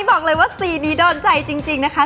บอกเลยว่าซีนี้โดนใจจริงนะคะ